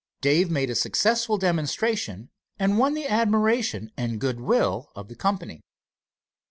Dave made a successful demonstration, and won the admiration and good will of the company.